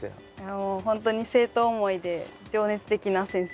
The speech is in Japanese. もう本当に生徒思いで情熱的な先生です。